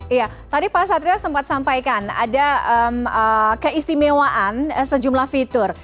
iya tadi pak satria sempat sampaikan ada keistimewaan sejumlah fitur